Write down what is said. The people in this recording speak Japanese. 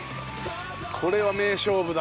これは名勝負だ。